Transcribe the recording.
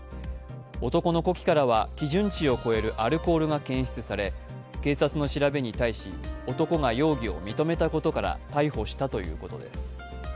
男の呼気からは基準値を超えるアルコールが検出され、警察の調べに対し、男が容疑を認めたことから逮捕したということです。